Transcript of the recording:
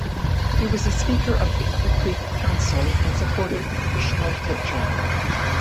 He was a Speaker of the Upper Creek Council and supported traditional culture.